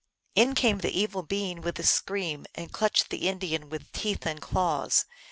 In came the evil being with a scream, and clutched the Indian with teeth and claws.